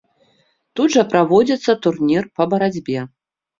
Тут жа праводзіцца турнір па барацьбе.